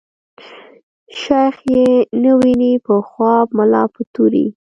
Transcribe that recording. شيخ ئې نه ويني په خواب ملا په توري